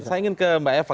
saya ingin ke mbak eva